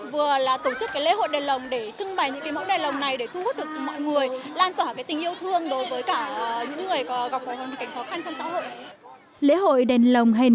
vừa là tổ chức lễ hội đèn lồng để trưng bày những mẫu đèn lồng này để thu hút được mọi người lan tỏa tình yêu thương đối với cả những người có khó khăn trong xã hội